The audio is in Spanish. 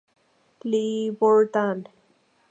Le Bourg-Dun